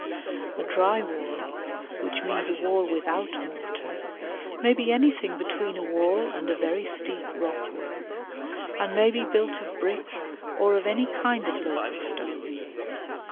A dry wall, which means a wall without mortar, may be anything between a wall and a very steep rock work, and may be built of brick or of any kind of local stone.